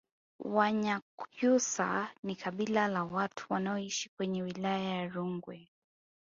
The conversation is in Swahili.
Wanyakyusa ni kabila la watu wanaoishi kwenye wilaya ya Rungwe